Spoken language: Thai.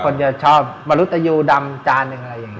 คนจะชอบมรุตยูดำจานหนึ่งอะไรอย่างนี้